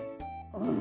うん。